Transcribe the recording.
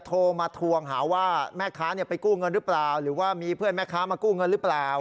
โทรมาทวงหาว่าแม่ค้าไปกู้เงินหรือเปล่าหรือว่ามีเพื่อนแม่ค้ามากู้เงินหรือเปล่า